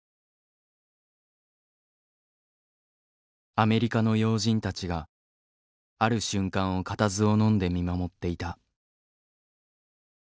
アメリカの要人たちがある瞬間を固唾をのんで見守っていた。